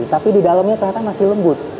tapi di dalamnya ternyata masih lembut